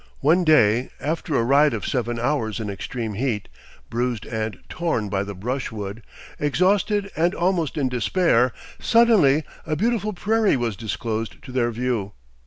One day, after a ride of seven hours in extreme heat, bruised and torn by the brushwood, exhausted and almost in despair, suddenly a beautiful prairie was disclosed to their view.